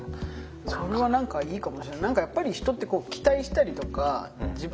それは何かいいかもしれない。